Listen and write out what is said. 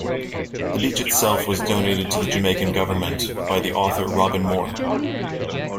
The beach itself was donated to the Jamaican Government by the author Robin Moore.